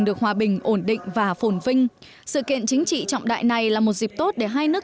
được hòa bình ổn định và phồn vinh sự kiện chính trị trọng đại này là một dịp tốt để hai nước